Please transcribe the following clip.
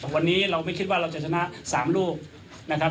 วันนี้เราไม่คิดว่าเราจะชนะ๓ลูกนะครับ